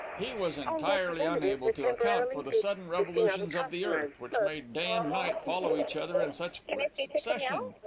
He was entirely unable to account for the sudden revolutions of the earth, which made day and night follow each other in such quick succession.